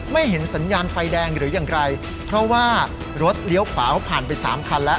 เห็นสัญญาณไฟแดงหรือยังไกลเพราะว่ารถเลี้ยวขวาผ่านไปสามคันแล้ว